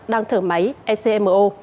đang thở máy ecmo